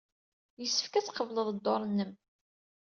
Yessefk ad tqebled dduṛ-nnem.